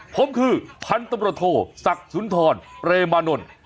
ผมคือพันตำรวจโทศักดิ์สุนทรเปรมานนท์